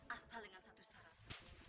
asal dengan satu syarat